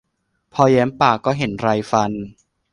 พอแย้มปากก็เห็นไรฟัน